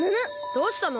どうしたの？